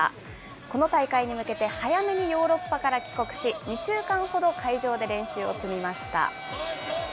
この大会に向けて早めにヨーロッパから帰国し、２週間ほど会場で練習を積みました。